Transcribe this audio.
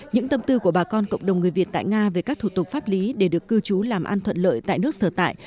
những tâm tư của bà con cộng đồng người việt tại nga về các thủ tục pháp lý để được cư trú làm an thuận lợi tại nước sở tại